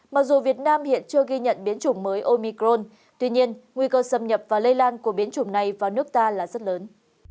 mặc dù việt nam hiện chưa ghi nhận biến chủng mới omicron tuy nhiên nguy cơ xâm nhập và lây lan của biến chủng này vào nước ta là rất lớn